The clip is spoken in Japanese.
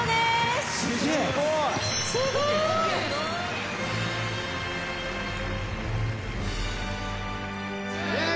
すごい。